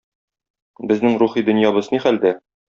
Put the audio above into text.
Безнең рухи дөньябыз ни хәлдә?